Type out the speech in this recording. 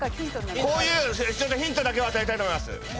こういうヒントだけは与えたいと思います。